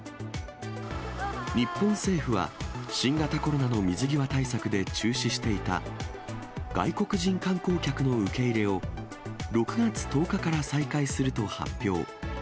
日本政府は、新型コロナの水際対策で中止していた、外国人観光客の受け入れを、６月１０日から再開すると発表。